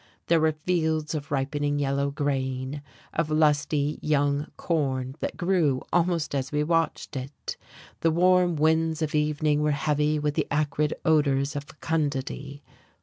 There were fields of ripening yellow grain, of lusty young corn that grew almost as we watched it: the warm winds of evening were heavy with the acrid odours of fecundity.